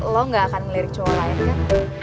lo gak akan ngelirik cowok lain kan